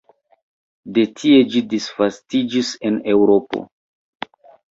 De tie ĝi disvastiĝis en Eŭropo.